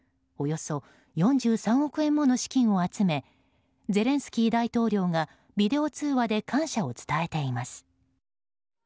およそ４３億円もの資金を集めゼレンスキー大統領がビデオ通話で感謝を伝えています。